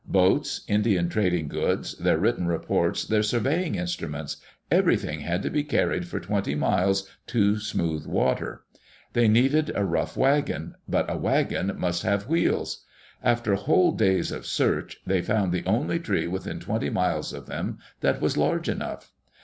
Boats, Indian trading goods, their written reports, their surveying Instruments — everything had to be carried for twenty miles to smooth Digitized by VjOQQ IC EARLY DAYS IN OLD OREGON water. They needed a rough wagon; but a wagon must have wheels. After whole days of search, they found the only tree within twenty miles of them that was large enough.